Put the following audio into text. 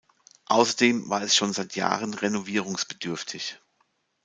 Außerdem war es schon seit Jahren renovierungsbedürftig.